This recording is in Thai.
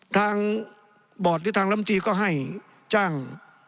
ทางบอร์ดหรือทางลำตีก็ให้จ้าง